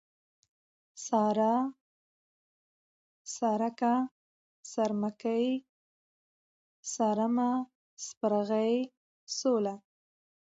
سارا ، سارکه ، سارمکۍ ، سارمه ، سپرغۍ ، سوله